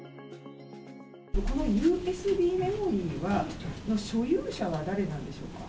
このＵＳＢメモリは、所有者は誰なんでしょうか。